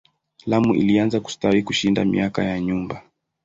Lamu ilianza kustawi kushinda miaka ya nyuma.